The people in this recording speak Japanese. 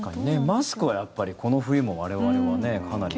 マスクは、やっぱりこの冬も我々はかなり。